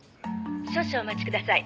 「少々お待ちください。